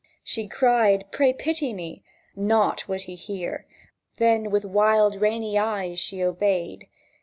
She cried, "O pray pity me!" Nought would he hear; Then with wild rainy eyes she obeyed.